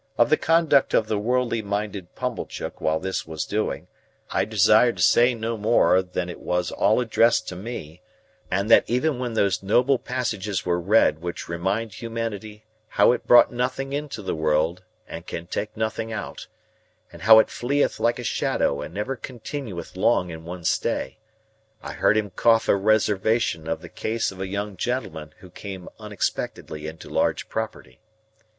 Of the conduct of the worldly minded Pumblechook while this was doing, I desire to say no more than it was all addressed to me; and that even when those noble passages were read which remind humanity how it brought nothing into the world and can take nothing out, and how it fleeth like a shadow and never continueth long in one stay, I heard him cough a reservation of the case of a young gentleman who came unexpectedly into large property.